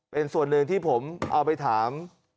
เป็นส่วนหนึ่งที่ผมเอาไปถาม